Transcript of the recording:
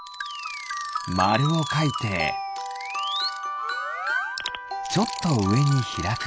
まるをかいてちょっとうえにひらく。